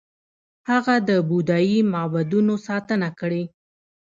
هغه د بودايي معبدونو ستاینه کړې